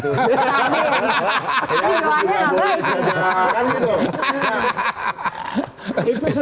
ini ruangnya apa itu